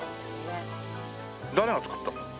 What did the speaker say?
誰が作ったの？